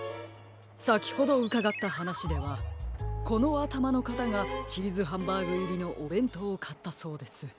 さきほどうかがったはなしではこのあたまのかたがチーズハンバーグいりのおべんとうをかったそうです。